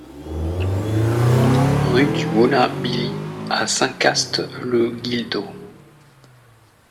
Rue du Moulin Bily à Saint-Cast-le-Guildo